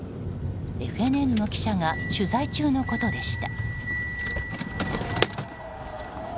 ＦＮＮの記者が取材中のことでした。